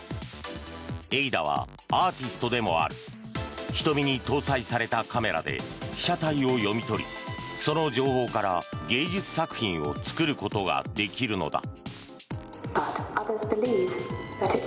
Ａｉ−Ｄａはアーティストでもあり瞳に搭載されたカメラで被写体を読み取りその情報から芸術作品を作ることができるのだ。